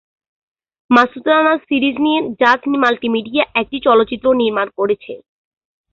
Masud Rana series নিয়ে জাজ মাল্টিমিডিয়া একটি চলচ্চিত্র নির্মান করছে।